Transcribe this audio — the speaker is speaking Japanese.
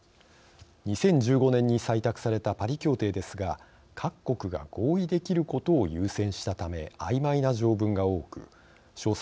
２０１５年に採択されたパリ協定ですが各国が合意できることを優先したためあいまいな条文が多く詳細